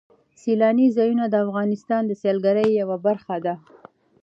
سیلاني ځایونه د افغانستان د سیلګرۍ یوه برخه ده.